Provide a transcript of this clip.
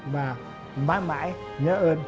và mãi mãi nhớ ơn